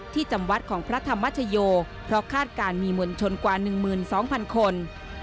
จำวัดของพระธรรมชโยเพราะคาดการณ์มีมวลชนกว่า๑๒๐๐๐คน